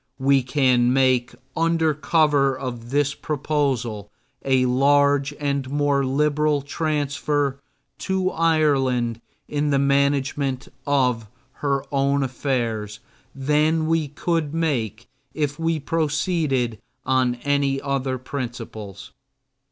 We can make, under cover of this proposal, a larger and more liberal transfer to Ireland in the management of her own affairs than we could make if we proceeded on any other principles.